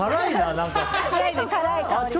何か。